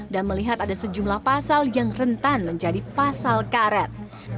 dan melihat ada sejumlah pasal yang rentan menjadi pasal karet